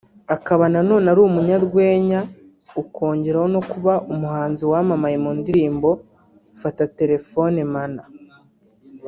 akaba na none ari umunyarwenya ukongeraho no kuba umuhanzi wamamaye mu ndirimbo 'Fata Telefone Mana'